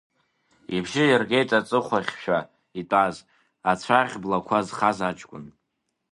Ибжьы иргеит аҵыхәахьшәа итәаз, ацәаӷь блақәа зхаз аҷкәын…